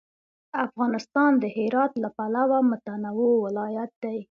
افغانستان د هرات له پلوه متنوع ولایت دی.